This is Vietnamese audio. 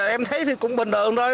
em thấy thì cũng bình thường thôi